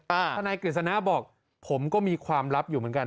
ทนายกฤษณะบอกผมก็มีความลับอยู่เหมือนกัน